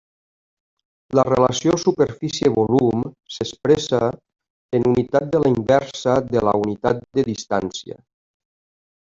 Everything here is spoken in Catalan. La relació superfície-volum s'expressa en unitat de la inversa de la unitat de distància.